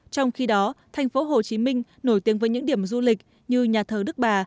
trong khi đó thành phố hồ chí minh nổi tiếng với những điểm du lịch như nhà thờ đức bà